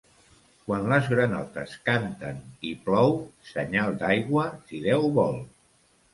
Quan les granotes canten, i plou, senyal d'aigua, si Déu vol.